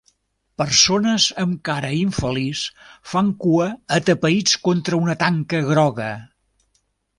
Persones amb cara infeliç fan cua atapeïts contra una tanca groga.